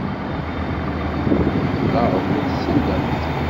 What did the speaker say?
Maɣef ur tsellemt?